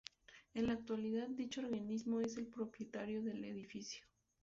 En la actualidad, dicho organismo es el propietario del edificio.